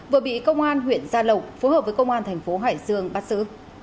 vừa bị công an huyện gia lộc phối hợp với công an thành phố hải sương bắt giữ